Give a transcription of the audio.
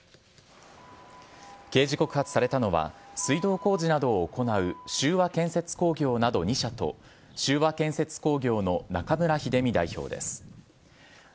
刑事告発されたのは、水道工事などを行う秀和建設工業など２社と秀和建設工業の中村秀美容疑者です。